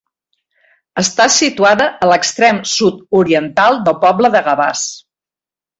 Està situada a l'extrem sud-oriental del poble de Gavàs.